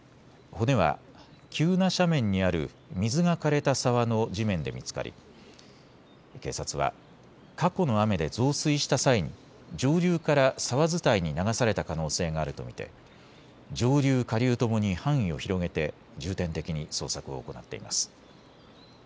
骨は急な斜面にある水がかれた沢の地面で見つかり警察は過去の雨で増水した際に上流から沢伝いに流された可能性があると見て上流、下流ともに範囲を広げて重点的に捜索を行っています。